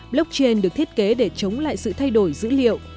blockchain được thiết kế để chống lại sự thay đổi dữ liệu